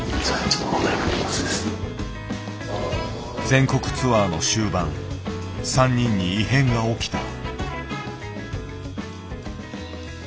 全国ツアーの終盤３人に異変が起きた。